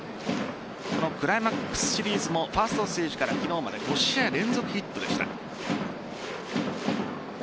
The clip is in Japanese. このクライマックスシリーズもファーストステージから昨日まで５試合連続ヒットでした。